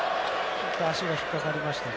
足が引っかかりましたね。